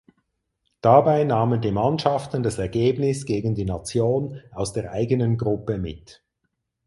Dabei nahmen die Mannschaften das Ergebnis gegen die Nation aus der eigenen Gruppe mit.